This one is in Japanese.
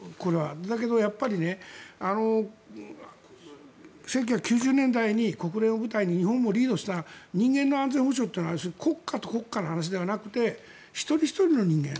だけどやっぱり１９９０年代に国連を舞台に日本もリードした人間の安全保障というのは国家と国家の話ではなくて一人ひとりの人間。